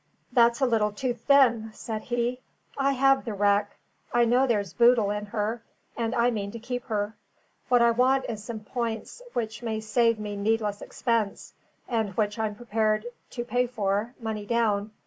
"That's a little too thin," said he. "I have the wreck. I know there's boodle in her, and I mean to keep her. What I want is some points which may save me needless expense, and which I'm prepared to pay for, money down.